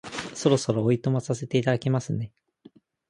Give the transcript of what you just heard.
そろそろお暇させていただきますね